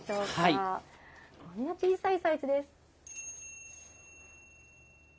こんな小さいサイズです。